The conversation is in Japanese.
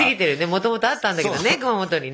もともとあったんだけどね熊本にね。